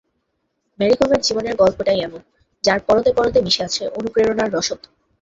Mary কমের জীবনের গল্পটাই এমন, যার পরতে পরতে মিশে আছে অনুপ্রেরণার রসদ।